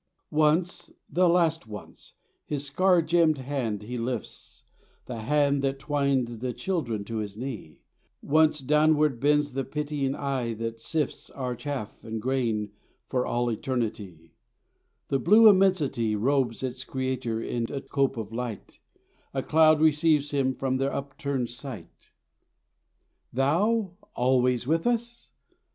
Once, the last once, His scar gemmed Hand He lifts, The Hand that twined the children to His knee, Once downward bends the pitying Eye that sifts Our chaff and grain for all eternity: The blue immensity Robes its Creator in a cope of light, A cloud receives Him from their upturned sight. Thou "alway with us"?